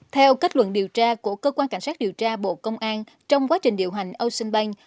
theo kết luận điều tra của cơ quan cảnh sát điều tra bộ công an trong quá trình điều hành ocean bank